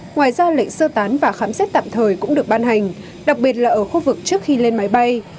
ngoài ra lệnh sơ tán và khám xét tạm thời cũng được ban hành đặc biệt là ở khu vực trước khi lên máy bay